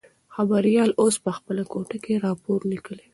خبریال اوس په خپله کوټه کې راپور لیکي.